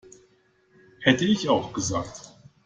Hätte ich auch gesagt.